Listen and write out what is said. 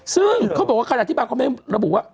ซึ่งเขาบอกว่าขณะที่บางคอมเมนต์ระบุว่า